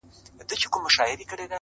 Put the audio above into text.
د يوسفي ښکلا له هر نظره نور را اوري!!